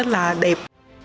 rất là đẹp